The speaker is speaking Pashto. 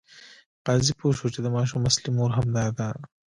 قاضي پوه شو چې د ماشوم اصلي مور همدا ده.